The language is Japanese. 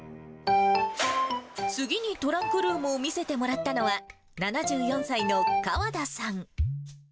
次にトランクルームを見せてもらったのは、７４歳の河田さん。